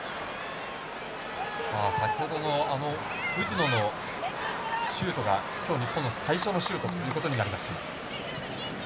先ほどのあの藤野のシュートが今日、日本の最初のシュートとなりました。